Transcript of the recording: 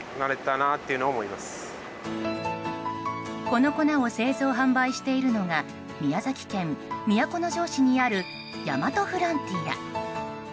この粉を製造・販売しているのが宮崎県都城市にある大和フロンティア。